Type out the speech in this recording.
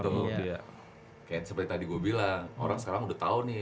kayak seperti tadi gua bilang orang sekarang udah tau nih